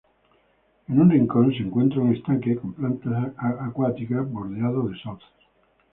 En un rincón se encuentra un estanque con plantas acuáticas, bordeado de sauces.